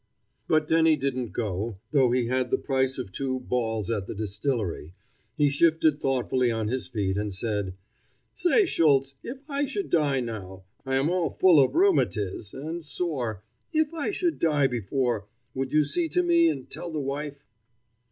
But Denny didn't go, though he had the price of two "balls" at the distillery. He shifted thoughtfully on his feet, and said: "Say, Schultz, if I should die now, I am all full o' rheumatiz, and sore, if I should die before, would you see to me and tell the wife?"